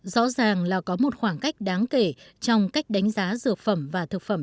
rõ ràng là có một khoảng cách đáng kể trong cách đánh giá dược phẩm và thực phẩm